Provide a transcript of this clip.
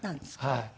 はい。